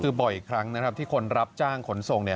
คือบ่อยครั้งนะครับที่คนรับจ้างขนส่ง